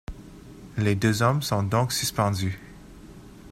Les deux hommes sont donc suspendus.